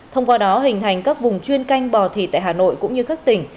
thông qua đó hình thành các vùng chuyên canh bò thịt tại hà nội cũng như các tỉnh